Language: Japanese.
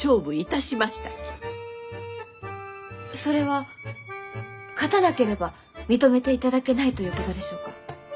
それは勝たなければ認めていただけないということでしょうか？